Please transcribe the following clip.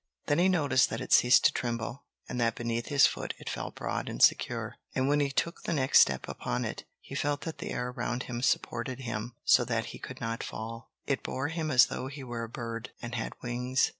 Then he noticed that it ceased to tremble, and that beneath his foot it felt broad and secure. And when he took the next step upon it, he felt that the air around him supported him, so that he could not fall. It bore him as though he were a bird, and had wings.